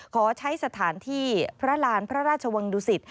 ขอใช้สถานที่พระราณพระราชวังดุสิต